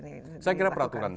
ini apa yang menghambat untuk ini